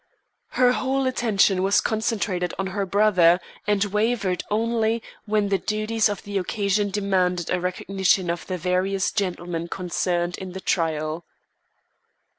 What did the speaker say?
Her whole attention was concentrated on her brother, and wavered only, when the duties of the occasion demanded a recognition of the various gentlemen concerned in the trial.